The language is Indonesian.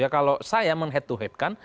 kalau saya menhead to headkan